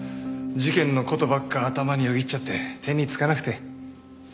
事件の事ばっか頭によぎっちゃって手につかなくて。